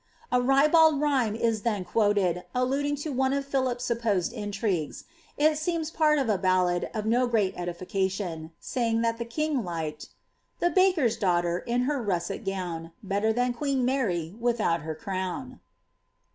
A ribald rhyme is then quoted, alluding to one dt PhOip's supposed intrvues ; it seems part of a ballad of no great edification, e^ing thit the king liked Tlie baker*s daaghter, in her russet gown. Better than queeu Mary, without her crown."